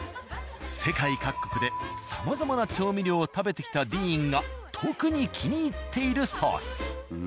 世界各国でさまざまな調味料を食べてきたディーンが特に気に入っているソース。